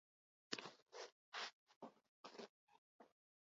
Depresio handi bat jasan zuen eta bizitza publikoa utzi zuen.